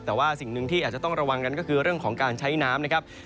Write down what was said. แต่ว่าสิ่งหนึ่งที่อาจจะต้องระวังกันก็คือเรื่องของการใช้น้ำนะครับ